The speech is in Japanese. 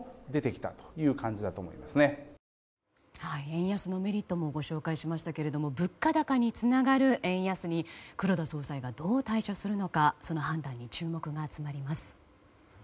円安のメリットもご紹介しましたけど物価高につながる円安に黒田総裁はどう対処するのかその判断に注目が集まります。